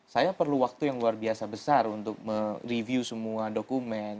saya perlu waktu yang luar biasa besar untuk mereview semua dokumen